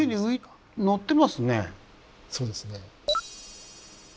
そうですね。